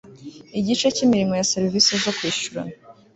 igice cy imirimo ya serivisi zo kwishyurana